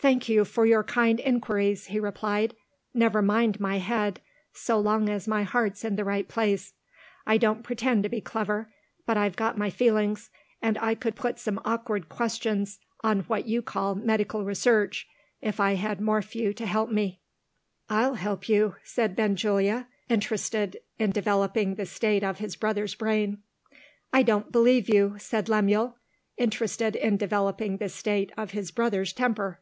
"Thank you for your kind inquiries," he replied. "Never mind my head, so long as my heart's in the right place. I don't pretend to be clever but I've got my feelings; and I could put some awkward questions on what you call Medical Research, if I had Morphew to help me." "I'll help you," said Benjulia interested in developing the state of his brother's brain. "I don't believe you," said Lemuel interested in developing the state of his brother's temper.